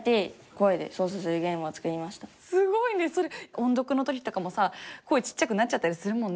音読の時とかもさ声ちっちゃくなっちゃったりするもんね。